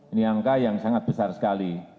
ini angka yang sangat besar sekali